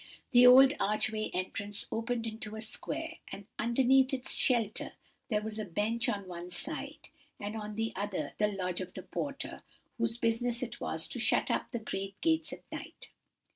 The old archway entrance opened into a square, and underneath its shelter there was a bench on one side, and on the other the lodge of the porter, whose business it was to shut up the great gates at night.